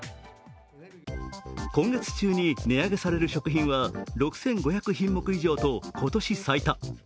今月中に値上げされる食品は６５００品目以上と今年最多。